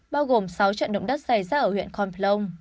bao gồm sáu trận động đất xảy ra ở huyện con phờ lông